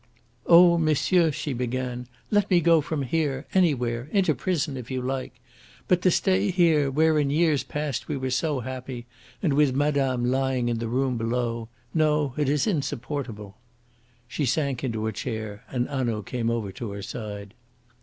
"Oh, monsieur!" she began, "let me go from here anywhere into prison if you like. But to stay here where in years past we were so happy and with madame lying in the room below. No, it is insupportable." She sank into her chair, and Hanaud came over to her side.